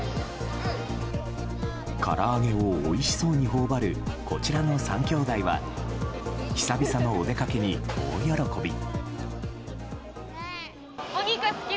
から揚げをおいしそうに頬張るこちらの３兄弟は久々のお出かけに大喜び。